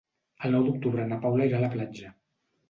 El nou d'octubre na Paula irà a la platja.